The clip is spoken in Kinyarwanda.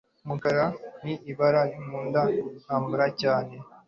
umukara ni ibara nkunda kwambara cyane